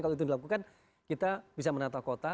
kalau itu dilakukan kita bisa menata kota